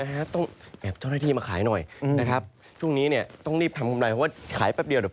นะครับต้องแอบเจ้าหน้าที่มาขายหน่อยนะครับช่วงนี้เนี่ย